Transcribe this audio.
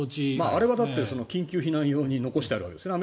あれは緊急避難用に残しているわけですから。